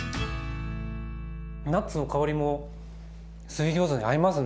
ナッツの香りも水ギョーザに合いますね！